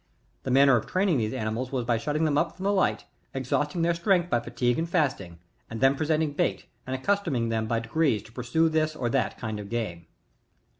The manner of training these ani mals was by shutting them up from the light, exhausting their strength by fatigue, and fasting, and then presenting bait, find accustoming them by degrees to pursue this or that kind of game.